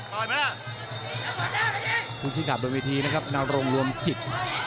คุณชิคกี้พายเป็นวิธีนะครับนารงรวมจิต